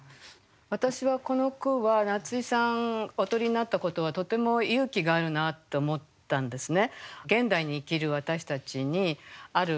私はこの句は夏井さんおとりになったことはとても勇気があるなと思ったんですね。